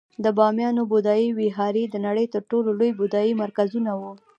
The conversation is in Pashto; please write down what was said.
د بامیانو بودایي ویهارې د نړۍ تر ټولو لوی بودایي مرکزونه وو